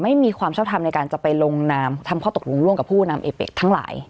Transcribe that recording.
ไม่มีความชอบทำในการจะไปลงนามทำข้อตกลงร่วมกับผู้นำเอเปะทั้งหลาย